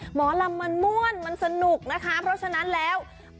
หมอลำมันม่วนมันสนุกนะคะเพราะฉะนั้นแล้ว